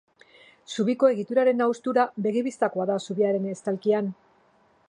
Zubiko egituraren haustura begi-bistakoa da zubiaren estalkian.